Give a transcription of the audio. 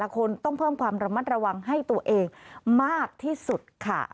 คนต้องเพิ่มความระมัดระวังให้ตัวเองมากที่สุดค่ะ